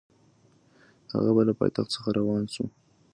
هغه به له پایتخت څخه روان شي.